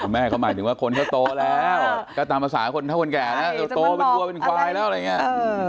แม่เขาหมายถึงว่าคนเขาโตแล้วก็ตามภาษาคนเท่าคนแก่นะเราโตเป็นวัวเป็นควายแล้วอะไรอย่างนี้